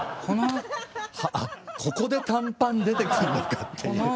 ここで短パン出てくんのかっていう。